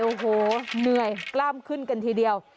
โอ้โหเหนื่อยกล้ามขึ้นกันทีเดียว